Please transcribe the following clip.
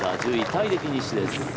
タイでフィニッシュです。